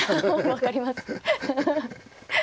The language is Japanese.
分かります。